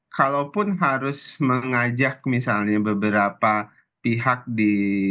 kalaupun harus mengajak misalnya beberapa pihak di